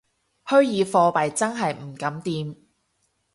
虛擬貨幣真係唔敢掂